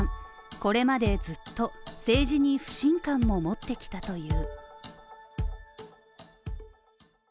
これまでずっと政治に不信感も持ってきたという。